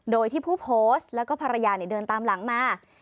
โดยที่ผู้โพสต์แล้วก็ภรรยาเดินตามหลังมา